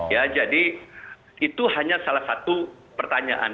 ya jadi itu hanya salah satu pertanyaan